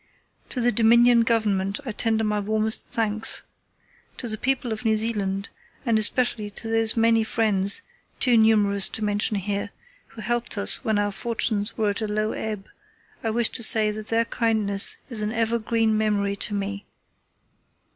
To the Dominion Government I tender my warmest thanks. To the people of New Zealand, and especially to those many friends—too numerous to mention here—who helped us when our fortunes were at a low ebb, I wish to say that their kindness is an ever green memory to me.